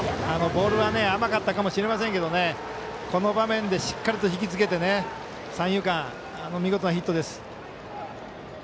ボールは甘かったかもしれませんがこの場面でしっかりと引きつけて三遊間、見事なヒットです。